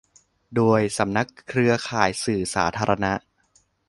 โดย สำนักเครือข่ายสื่อสาธารณะ